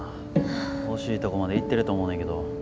惜しいとこまでいってると思うねけど。